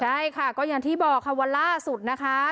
ใช่ค่ะก็อย่างที่บอกค่ะวันล่าสุดนะคะ